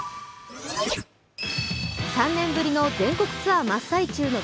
３年ぶりの全国ツアー真っ最中のＢ